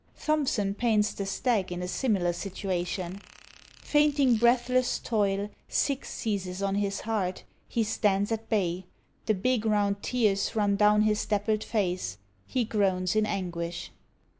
Thomson paints the stag in a similar situation: Fainting breathless toil Sick seizes on his heart he stands at bay: The big round tears run down his dappled face, He groans in anguish.